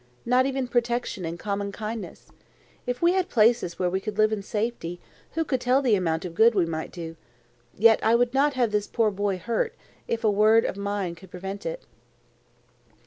Not even protection and common kindness. If we had places where we could live in safety, who could tell the amount of good we might do? Yet I would not have this poor boy hurt if a word of mine could prevent it."